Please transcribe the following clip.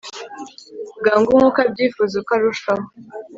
bwangu nkuko abyifuza uko arushaho